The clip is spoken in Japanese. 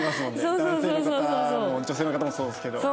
男性の方も女性の方もそうですけど。